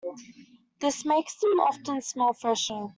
This makes them often smell fresher.